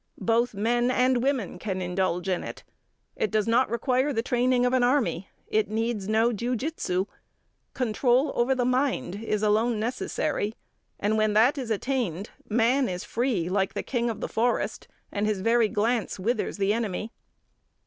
Both men and women can indulge in it. It does not require the training of an army; it needs no Jiu jitsu. Control over the mind is alone necessary, and, when that is attained, man is free like the king of the forest, and his very glance withers the enemy.